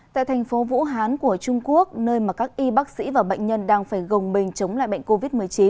tại thành phố vũ hán của trung quốc nơi mà các y bác sĩ và bệnh nhân đang phải gồng mình chống lại bệnh covid một mươi chín